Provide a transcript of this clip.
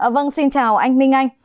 vâng xin chào anh minh anh